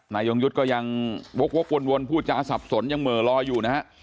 นายยงยุทธ์ก็ยังวกวนพูดจาสับสนยังเหม่อลอยอยู่นะฮะ